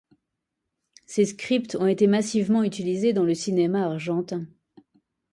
Ses scripts ont été massivement utilisés dans le cinéma argentin.